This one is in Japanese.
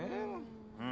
うん。